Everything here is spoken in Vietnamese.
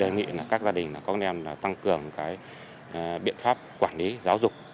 đề nghị các gia đình có thể tăng cường biện pháp quản lý giáo dục